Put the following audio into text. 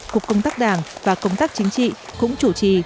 cục công tác đảng và công tác chính trị cũng chủ trì